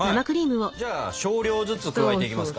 じゃあ少量ずつ加えていきますか。